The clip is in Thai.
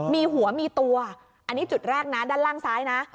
มีหัวมีตัวอันนี้จุดแรกนะด้านล่างซ้ายนะ